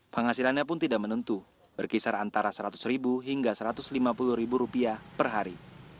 penghasilannya pun tidak menentu berkisar antara seratus ribu hingga satu ratus lima puluh per hari